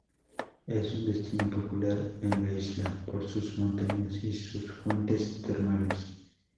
Es un destino popular en la isla, por sus montañas y sus fuentes termales.